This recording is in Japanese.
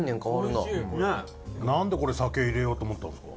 なんで、これ、酒入れようと思ったんですか？